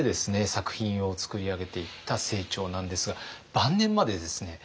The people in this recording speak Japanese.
作品を作り上げていった清張なんですが晩年までですね